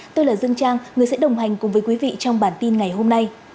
tôi là dương trang người sẽ đồng hành cùng với quý vị trong bản tin ngày hôm nay